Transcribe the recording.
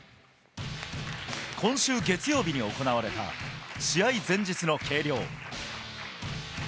今週月曜日に行われた、試合前日の計量。